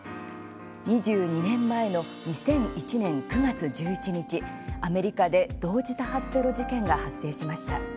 ２２年前の２００１年９月１１日アメリカで同時多発テロ事件が発生しました。